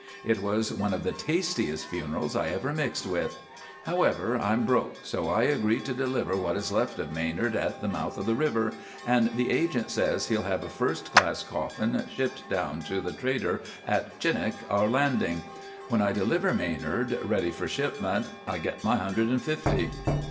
It was one of the tastiest funerals I ever mixed with. However, I'm broke, so I agree to deliver what is left of Manard at the mouth of the river, and the agent says he'll have a first class coffin shipped down to the trader at Chinik, our landing. When I deliver Manard, ready for shipment, I get my hundred and fifty.